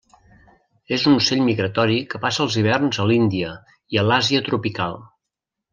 És un ocell migratori que passa els hiverns a l'Índia i a l'Àsia tropical.